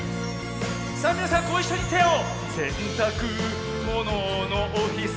さあみなさんごいっしょにてを！